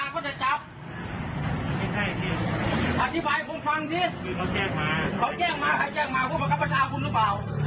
โทษหมายเพื่ออะไรผมได้ไหมล่ะ